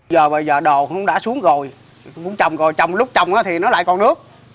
giờ bây giờ đồ cũng đã xuống rồi trồng rồi trồng lúc trồng thì nó lại còn nước